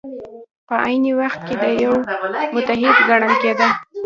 په عین وخت کې یو متحد ګڼل کېده.